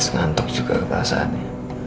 nantuk juga keasaannya